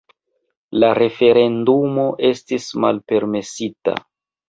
La referendumo estis malpermesita.